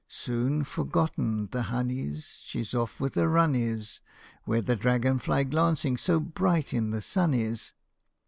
Soon forgotten the honey 's ; She off with a run is Where the dragon fly glancing so bright in the sun is.